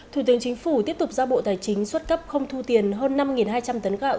thủ tướng chính phủ tiếp tục ra bộ tài chính xuất cấp không thu tiền hơn năm hai trăm linh tấn gạo